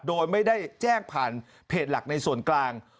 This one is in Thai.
โดยไม่ได้แจ้งผ่านเพจหลักในส่วนกลาง